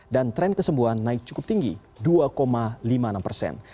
dan tren kesembuhan naik cukup tinggi dua lima puluh enam persen